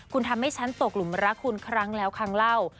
คุณทำให้ฉันตกหลุมรักคุณครั้งแล้วครั้งเล่า